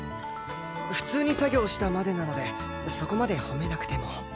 普通に作業したまでなのでそこまで褒めなくても。